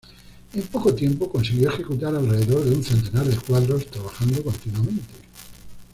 En poco tiempo consiguió ejecutar alrededor de un centenar de cuadros, trabajando continuamente.